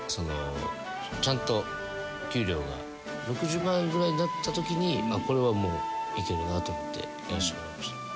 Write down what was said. ちゃんと給料が６０万円ぐらいになった時にこれはもういけるなと思ってやらせてもらいました。